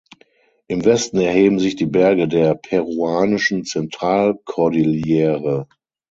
Im Westen erheben sich die Berge der peruanischen Zentralkordillere.